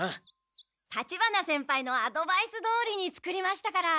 立花先輩のアドバイスどおりに作りましたから。